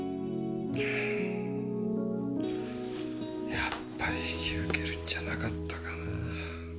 やっぱり引き受けるんじゃなかったかな。